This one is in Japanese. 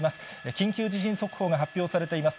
緊急地震速報が発表されています。